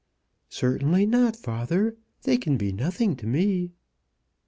"Certainly not, father; they can be nothing to me.